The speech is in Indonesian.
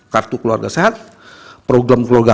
kartu keluarga sehat program keluarga